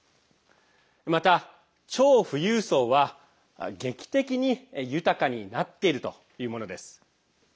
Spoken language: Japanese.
また、超富裕層は劇的に豊かになっているというものです。